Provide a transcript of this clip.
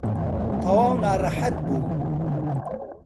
تەواو ناڕەحەت بووم.